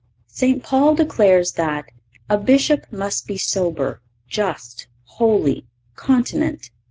(519) St. Paul declares that "a Bishop must be sober, just, holy, continent."